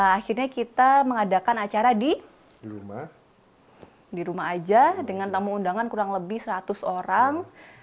akhirnya kita mengadakan acara di rumah aja dengan tamu undangan kurang lebih seratus orang